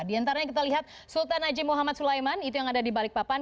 di antaranya kita lihat sultan haji muhammad sulaiman itu yang ada di balikpapan